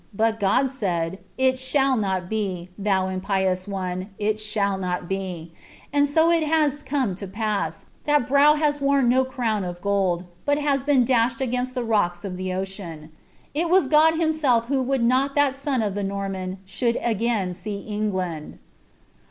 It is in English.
But God said, ' It shall not be, di« impious one, it shall not be :' and so it has come to pass ; that broir has worn no crown of gold, bui has been dashed against the rnekt of the ocean. It was Gi^ hiinseir who would not that tlie aoii of tk* Norman should again see England."